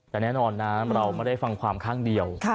แต่แน่นอนนะเราไม่ได้ฟังความข้างเดียว